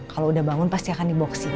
kalau udah bangun pasti akan dibawa ke sini